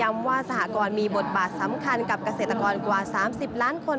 รัฐมนตรีนะคะย้ำว่าสหกรมีบทบาทสำคัญกับเกษตรกรกว่าสามสิบล้านคน